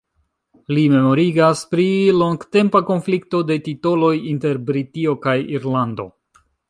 Li memorigas pri longtempa konflikto de titoloj inter Britio kaj Irlando.